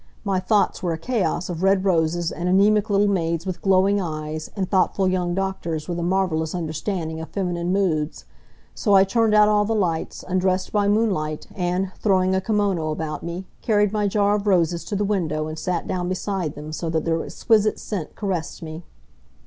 My thoughts were a chaos of red roses, and anemic little maids with glowing eyes, and thoughtful young doctors with a marvelous understanding of feminine moods. So I turned out all the lights, undressed by moonlight, and, throwing a kimono about me, carried my jar of roses to the window and sat down beside them so that their exquisite scent caressed me.